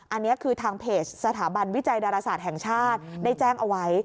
อันนี้คือทางเพจสถาบันวิจัยดาราศาสตร์แห่งชาติได้แจ้งเอาไว้